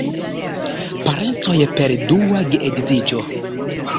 Parencoj per dua geedziĝo.